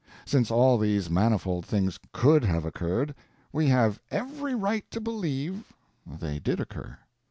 Since all these manifold things could have occurred, we have every right to believe they did occur.